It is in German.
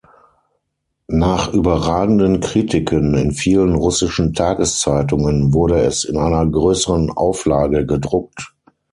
Nach überragenden Kritiken in vielen russischen Tageszeitungen wurde es in einer größeren Auflage gedruckt.